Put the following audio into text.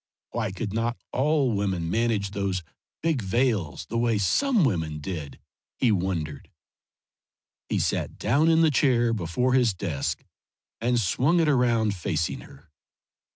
Why could not all women manage those big veils the way some women did, he wondered. He sat down in the chair before his desk, and swung it around facing her.